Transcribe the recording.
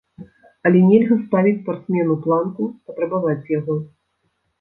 Але нельга ставіць спартсмену планку, патрабаваць з яго.